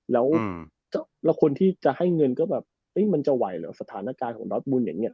แล้วคนที่จะให้เงินก็แบบมันจะไหวเหรอสถานการณ์ของดอสบุญอย่างนี้